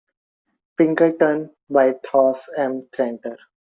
Pinkerton by Thos M. Tranter.